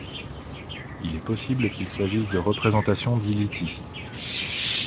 Il est possible qu'il s'agisse de représentations d'Ilithyie.